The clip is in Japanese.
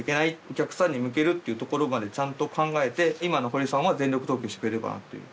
お客さんに向けるっていうところまでちゃんと考えて今の堀さんは全力投球してくれてるかなっていう。